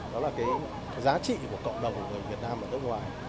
đó là cái giá trị của cộng đồng người việt nam ở nước ngoài